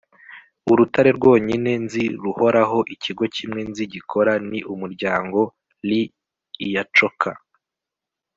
urutare rwonyine nzi ruhoraho, ikigo kimwe nzi gikora, ni umuryango. - lee iacocca